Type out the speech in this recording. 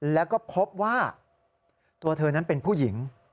แล้วก็พบว่าตัวเธอนั้นเป็นผู้หญิง